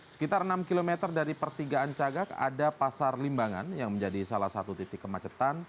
sekitar enam km dari pertigaan cagak ada pasar limbangan yang menjadi salah satu titik kemacetan